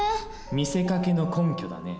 見せかけの根拠だね。